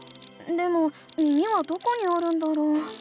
でも耳はどこにあるんだろう？